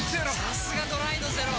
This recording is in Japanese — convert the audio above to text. さすがドライのゼロ！